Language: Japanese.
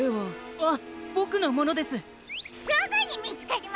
あっ！